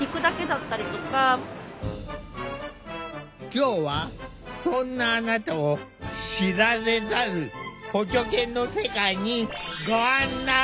今日はそんなあなたを知られざる補助犬の世界にごあんない。